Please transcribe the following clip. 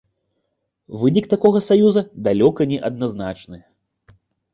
Вынік такога саюза далёка не адназначны.